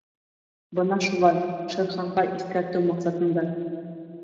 Бына шулай, Шер Ханға иҫкәртеү маҡсатында.